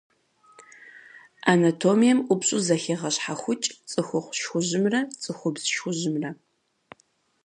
Анатомием ӏупщӏу зэхегъэщхьэхукӏ цӏыхухъу шхужьымрэ цӏыхубз шхужьымрэ.